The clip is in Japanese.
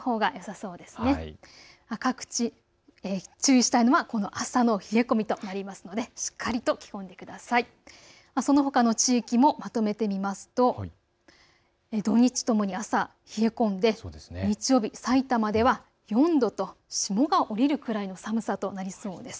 そのほかの地域もまとめてみますと土日ともに朝、冷え込んで日曜日、さいたまでは４度と霜が降りるくらいの寒さとなりそうです。